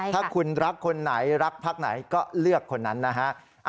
ถ้าคุณรักคนไหนรักพักไหนก็เลือกคนนั้นนะฮะ